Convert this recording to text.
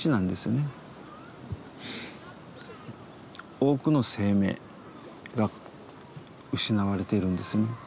多くの生命が失われているんですね。